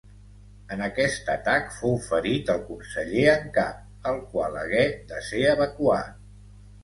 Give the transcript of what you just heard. En aquest atac fou ferit el Conseller en Cap el qual hagué de ser evacuat.